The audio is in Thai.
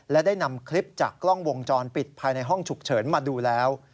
และได้นำคลิปจากกล้องวงจรปิดภายในห้องฉุกเฉินมาดูแล้ว